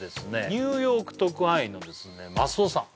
ニューヨーク特派員のですね増尾さん